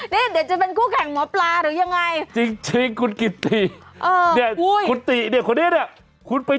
นี่เดี๋ยวจะเป็นคู่แข่งหมอปลาหรือยังไง